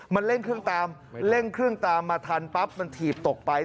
มันเร่งเครื่องตามเร่งเครื่องตามมาทันปั๊บมันถีบตกไป